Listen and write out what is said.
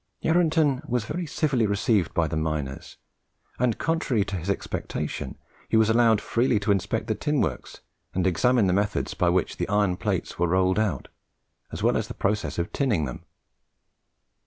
Yarranton was very civilly received by the miners, and, contrary to his expectation, he was allowed freely to inspect the tin works and examine the methods by which the iron plates were rolled out, as well as the process of tinning them.